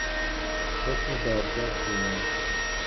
حکم دادگاه اعلام شد.